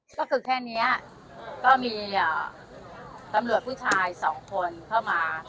ก็คือแค่นี้ก็มีตำรวจผู้ชายสองคนเข้ามา